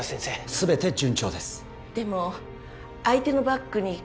全て順調です